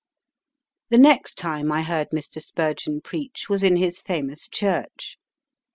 The next time I heard Mr. Spurgeon preach was in his famous church.